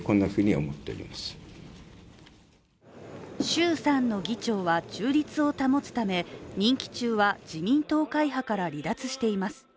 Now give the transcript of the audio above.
衆参の議長は中立を保つため、任期中は、自民党会派から離脱しています。